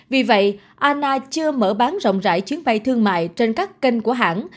vì vậy ana chưa mở bán rộng rãi chuyến bay thương mại trên các kênh của hãng